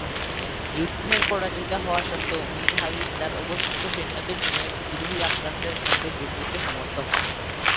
যুদ্ধের পরাজিত হওয়া সত্ত্বেও মীর হাবিব তাঁর অবশিষ্ট সৈন্যদের নিয়ে বিদ্রোহী আফগানদের সঙ্গে যোগ দিতে সমর্থ হন।